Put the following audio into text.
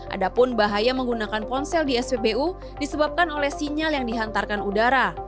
adapun bahaya menggunakan ponsel di spbu disebabkan oleh sinyal yang dihantarkan udara